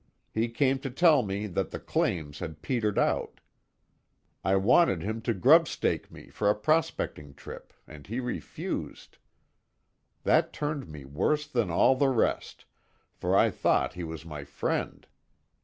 He came to tell me that the claims had petered out. I wanted him to grub stake me, for a prospecting trip and he refused. That hurt me worse than all the rest for I thought he was my friend.